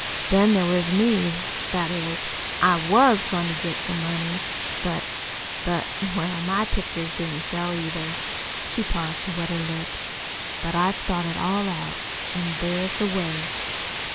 "Then there was me that is, I WAS goin' to get some money; but but, well MY pictures didn't sell, either." She paused to wet her lips. "But I've thought it all out, an' there's a way."